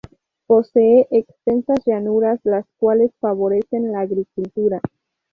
Posee extensas llanuras las cuales favorecen la agricultura.